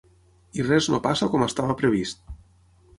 I res no passa com estava previst.